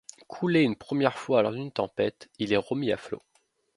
Coulé une première fois lors d'une tempête, il est remis à flot.